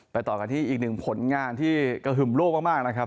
ต่อกันที่อีกหนึ่งผลงานที่กระหึ่มโลกมากนะครับ